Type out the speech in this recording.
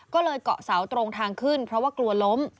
ก็เลยเกาะเสาตรงทางขึ้นเพราะว่ากลัวล้ม